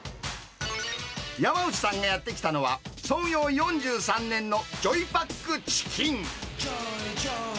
山内さんがやって来たのは、創業４３年のジョイパックチキン。